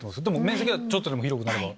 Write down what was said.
面積がちょっとでも広くなれば。